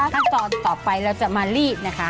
ขั้นตอนต่อไปเราจะมารีดนะคะ